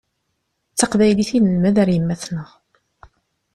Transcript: D taqbaylit i nelmed ar yemma-tneɣ.